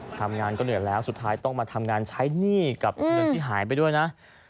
ทำงานก็เหนื่อยแล้วสุดท้ายต้องมาทำงานใช้หนี้กับเงินที่หายไปด้วยนะ